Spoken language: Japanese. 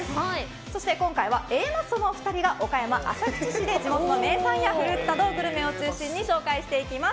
そして、Ａマッソの２人が岡山・浅口市で地元の名産やフルーツなどグルメを中心に紹介していきます。